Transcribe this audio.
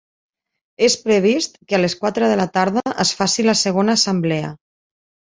És previst que a les quatre de la tarda es faci la segona assemblea.